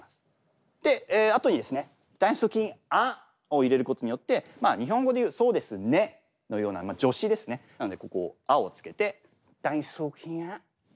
であとにですね「だいすき『あ』」を入れることによって日本語でいう「そうです『ね』」のような助詞ですねなのでここ「あ」をつけて「だいすきあ」なんですね。